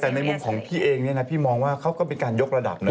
เข้าใจแต่ในมุมของพี่เองนี่นะพี่มองว่าเขาก็มีการยกระดับหนึ่ง